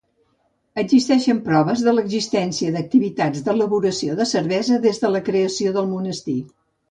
Existeixen proves de l'existència d'activitats d'elaboració de cervesa des de la creació del monestir.